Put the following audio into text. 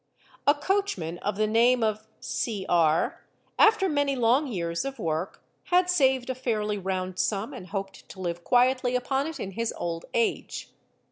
A coachman of the name of Cr..., after many long years of work, j had saved a fairly round sum and hoped to live quietly upon it in his old | age.